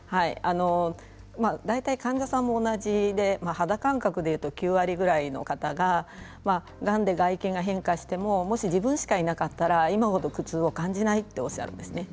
大体、患者さんも同じで肌感覚で言うと９割ぐらいの方ががんで外見が変化してももし自分しかいなかったら今ほど苦痛を感じないとおっしゃるんですね。